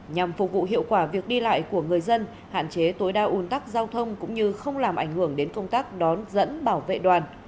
nhằm phục vụ hiệu quả việc đi lại của người dân hạn chế tối đa un tắc giao thông cũng như không làm ảnh hưởng đến công tác đón dẫn bảo vệ đoàn